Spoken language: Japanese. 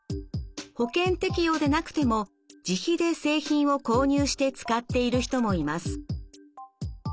保険適用でなくても自費で製品を購入して使っている人もいます。